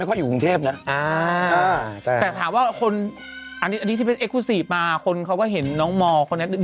ที่ต่างจังหวัดด้วยและที่ไหนบริเวณเทพด้วย